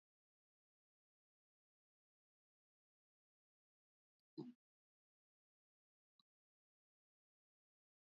Ŋwěémá mó mòtò.